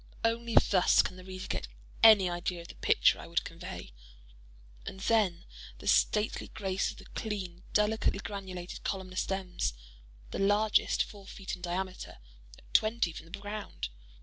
Only thus can the reader get any idea of the picture I would convey. And then the stately grace of the clean, delicately granulated columnar stems, the largest four feet in diameter, at twenty from the ground.